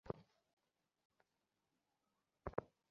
তাই কলেজ পরিচালনা পর্ষদের সভার সিদ্ধান্ত অনুযায়ী টাকা আদায় করা হচ্ছে।